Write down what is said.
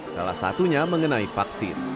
salah satunya mengenai vaksin